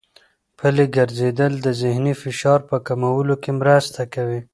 پلي ګرځېدل د ذهني فشار په کمولو کې مرسته کوي.